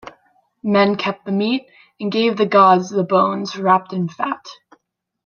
Men kept the meat, and gave the gods the bones wrapped in fat.